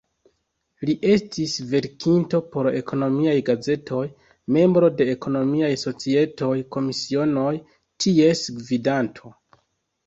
Li estis verkinto por ekonomiaj gazetoj, membro de ekonomiaj societoj, komisionoj, ties gvidanto.